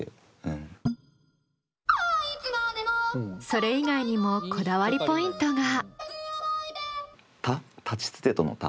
それ以外にもこだわりポイントが。